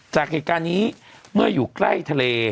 จากแรกการนี้เมื่ออยู่ใกล้ทะเล